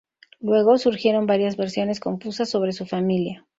Luego surgieron varias versiones confusas sobre su familia.